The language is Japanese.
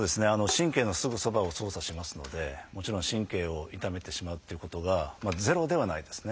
神経のすぐそばを操作しますのでもちろん神経を傷めてしまうっていうことがゼロではないですね。